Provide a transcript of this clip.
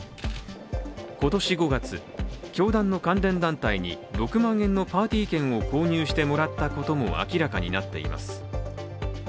今年５月、教団の関連団体に６万円のパーティー券を購入してもらったことも明らかになっています